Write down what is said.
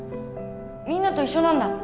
みんなと一緒なんだ。